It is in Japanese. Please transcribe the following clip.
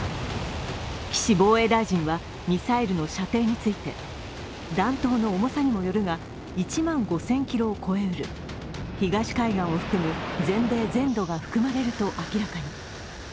岸防衛大臣はミサイルの射程について弾頭の重さにもよるが、１万５０００ｋｍを超えうる、東海岸を含む全米全土が含まれると明らかに。